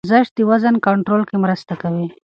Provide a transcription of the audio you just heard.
ورزش د وزن کنټرول کې مرسته کوي.